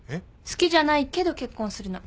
好きじゃないけど結婚するの。